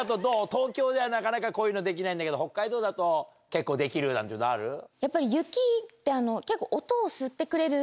東京じゃなかなかこういうのできないんだけど、北海道だと結構できるなんていうのある？